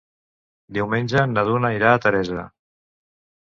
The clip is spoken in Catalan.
Diumenge na Duna irà a Teresa.